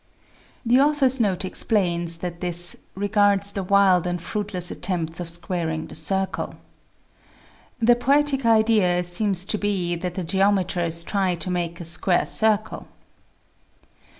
The author's note explains that this "regards the wild and fruitless attempts of squaring the circle." The poetic idea seems to be that the geometers try to make a square circle.